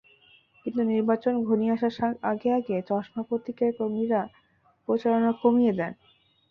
কিন্তু নির্বাচন ঘনিয়ে আসার আগে আগে চশমা প্রতীকের কর্মীরা প্রচারণা কমিয়ে দেন।